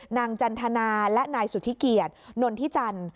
นางจรรย์ธนารรณ์และนายสุธิเขียตนนทรีจรรย์